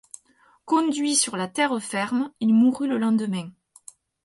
Conduit sur la terre ferme, il mourut le lendemain.